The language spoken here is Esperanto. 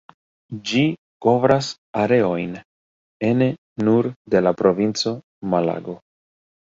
Ĝi kovras areojn ene nur de la provinco Malago.